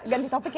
ganti topik ya